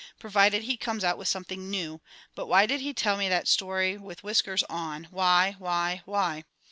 Provided he comes out with something new! But why did he tell me that story with whiskers on, why, why, why?"